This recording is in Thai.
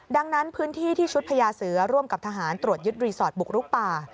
ดังนั้นพื้นที่ที่ชุดพญาเสือร่วมกับทหารตรวจยึดรีสอร์ทบุกรุกป่า